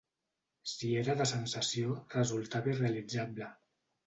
Si era de sensació resultava irrealitzable